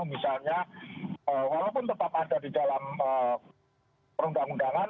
misalnya walaupun tetap ada di dalam perundang undangan